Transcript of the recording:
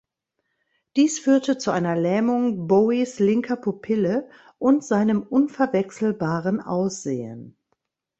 Dies führte zu einer Lähmung Bowies linker Pupille und seinem unverwechselbaren Aussehen.